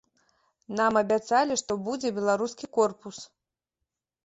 Нам абяцалі, што будзе беларускі корпус.